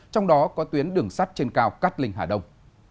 trong đó có tuyến đường sắt trên cao cát linh hà đông